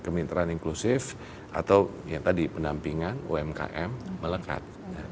kemitraan inklusif atau yang tadi pendampingan umkm melekat